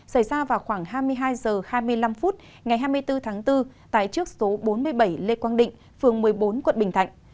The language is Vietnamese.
xảy ra vào khoảng hai mươi hai h hai mươi năm phút ngày hai mươi bốn tháng bốn tại trước số bốn mươi bảy lê quang định phường một mươi bốn quận bình thạnh